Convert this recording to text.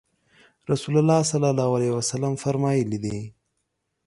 رسول الله صلی الله علیه وسلم فرمایلي دي